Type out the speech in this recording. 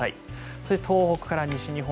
そして東北から西日本